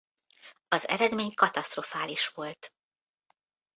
Az eredmény katasztrofális volt.